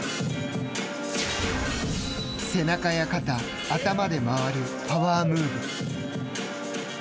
背中や肩、頭で回るパワームーブ。